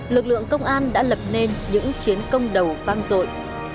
lực lượng công an đã lập nên những chiến công đầu vang rội